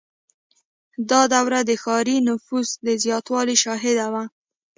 • دا دوره د ښاري نفوس د زیاتوالي شاهده وه.